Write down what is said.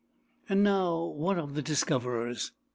And now, what of the discoverers?